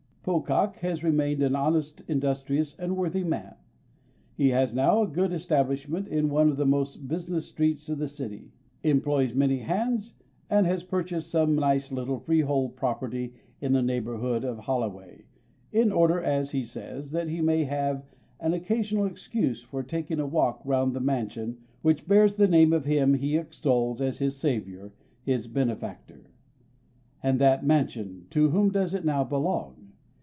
Pocock has remained an honest, industrious, and worthy man. He has now a good establishment in one of the most business streets of the City, employs many hands, and has purchased some nice little freehold property in the neighbourhood of Holloway—in order, as he says, that he may have an occasional excuse for taking a walk round the mansion which bears the name of him whom he extols as his saviour—his benefactor! And that mansion—to whom does it now belong?